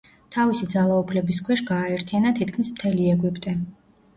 თავისი ძალაუფლების ქვეშ გააერთიანა თითქმის მთელი ეგვიპტე.